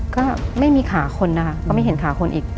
ก็ไม่มีขาคนนะคะก็ไม่เห็นขาคนอีก